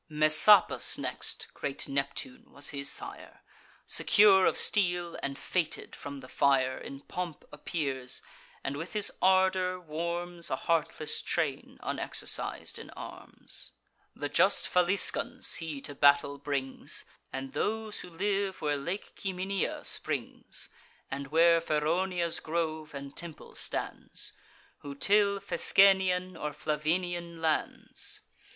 Messapus next, (great Neptune was his sire,) Secure of steel, and fated from the fire, In pomp appears, and with his ardour warms A heartless train, unexercis'd in arms: The just Faliscans he to battle brings, And those who live where Lake Ciminius springs; And where Feronia's grove and temple stands, Who till Fescennian or Flavinian lands.